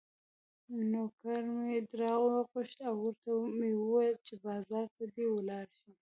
نوکر مې راوغوښت او ورته مې وویل چې بازار ته دې ولاړ شي.